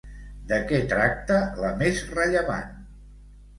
De què tracta la més rellevant?